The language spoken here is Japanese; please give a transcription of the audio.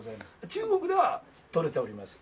中国では取れております。